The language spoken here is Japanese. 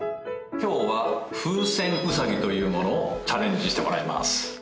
今日は風船ウサギというものをチャレンジしてもらいます